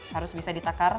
harus bisa ditakar